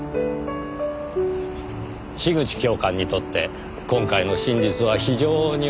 樋口教官にとって今回の真実は非常に重いものです。